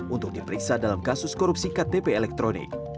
untuk diperiksa dalam kasus korupsi ktp elektronik